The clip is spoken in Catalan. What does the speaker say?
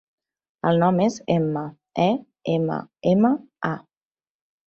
El nom és Emma: e, ema, ema, a.